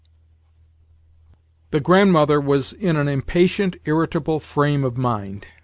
XII The Grandmother was in an impatient, irritable frame of mind.